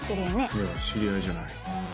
いや知り合いじゃない。